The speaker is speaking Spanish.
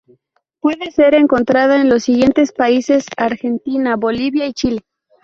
Puede ser encontrada en los siguientes países: Argentina, Bolivia y Chile.